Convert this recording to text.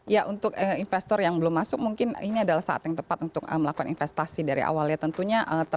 ya untuk investor yang belum masuk mungkin ini adalah saat yang tepat untuk melakukan investasi dari awal ya tentunya